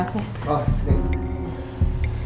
oh terima kasih